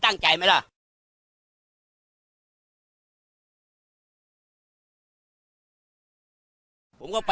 ตามนี้ก็เสียค่ะ